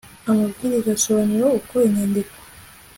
amabwiriza asobanura uko inyandiko